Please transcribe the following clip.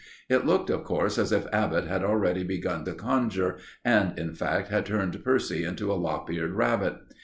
It looked, of course, as if Abbott had already begun to conjure, and, in fact, had turned Percy into a lop eared rabbit.